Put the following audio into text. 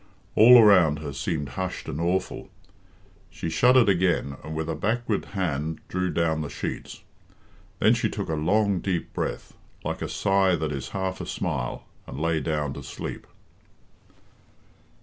All around her seemed hushed and awful. She shuddered again, and with a back ward hand drew down the sheets. Then she took a long, deep breath, like a sigh that is half a smile, and lay down to sleep.